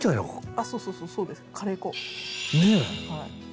あそうそうそうですカレー粉。ね！